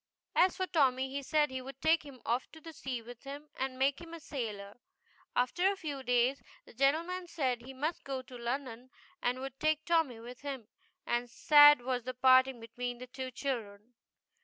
As for Tommy he said he would take him off to sea with him and make him a sailor. After a few days, the gentleman said he must go to London and would take Tommy with him, and sad was the parting between the two children.